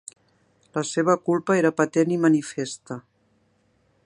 La seva culpa era patent i manifesta.